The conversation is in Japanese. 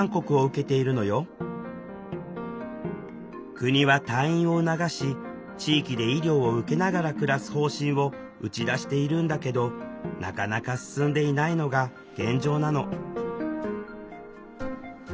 国は退院を促し地域で医療を受けながら暮らす方針を打ち出しているんだけどなかなか進んでいないのが現状なの。